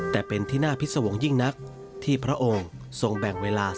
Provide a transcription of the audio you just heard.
แต่เป็นที่น่าพิษวงศ์ยิ่งนักที่พระองค์ทรงแบ่งเวลา